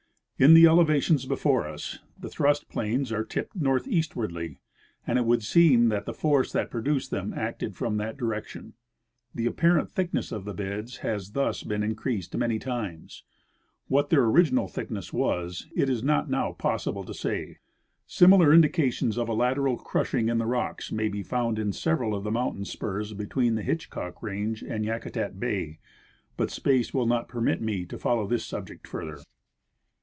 In the elevations before us the thrust planes are tipped northeastAvardly, and it Avould seem that the force that produced them acted from that direction. The apparent thick ness of the beds has thus been increased many times. What their original thickness was, it is not noAV possible to say. Similar indications of a lateral crushing in the rocks may be found in seA''eral of the mountain spurs between the Hitchcock range and Yakutat bay ; but space Avill not permit me to folloAV this sub ject further.